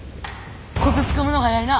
コツつかむの早いな。